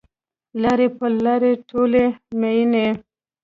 لارې پل لارې ټولي میینې